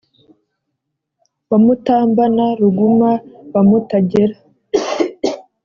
wa mutambana-ruguma wa mutagera